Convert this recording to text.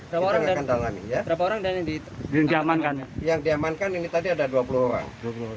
berapa orang yang akan diamankan ini tadi ada dua puluh orang